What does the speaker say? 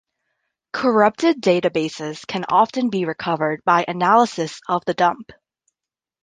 Corrupted databases can often be recovered by analysis of the dump.